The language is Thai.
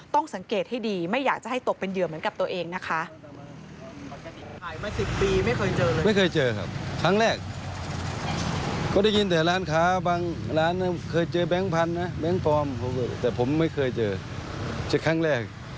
ต้องสังเกตให้ดีไม่อยากจะให้ตกเป็นเหยื่อเหมือนกับตัวเองนะคะ